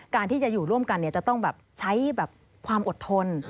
การที่จะอยู่ร่วมกันเนี่ยจะต้องใช้ความอดทน